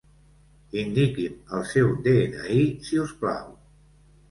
Indiqui'm el seu de-ena-i, si us plau.